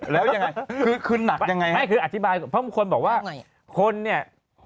แล้วยังไงคือคือหนักยังไงไม่คืออธิบายเพราะบางคนบอกว่าคนเนี่ย